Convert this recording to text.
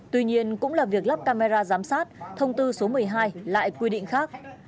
tuy nhiên cũng là việc lắp camera giám sát thông tư số một mươi hai lại quy định khác